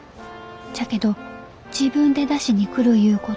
じゃけど自分で出しに来るいう